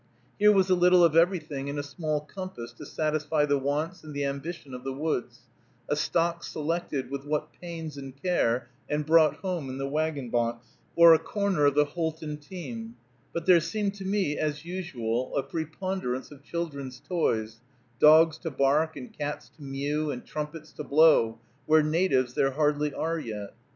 Here was a little of everything in a small compass to satisfy the wants and the ambition of the woods, a stock selected with what pains and care, and brought home in the wagon box, or a corner of the Houlton team; but there seemed to me, as usual, a preponderance of children's toys, dogs to bark, and cats to mew, and trumpets to blow, where natives there hardly are yet.